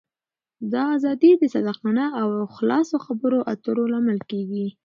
دا آزادي د صادقانه او خلاصو خبرو اترو لامل کېږي.